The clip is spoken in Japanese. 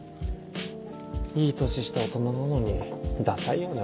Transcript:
いい年した大人なのにダサいよね